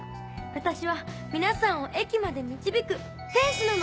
私は皆さんを駅まで導く天使なの！